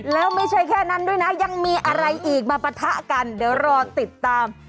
แล้วไม่ใช่แค่นั้นด้วยนะยังมีอะไรอีกมาปะทะกันเดี๋ยวรอติดตาม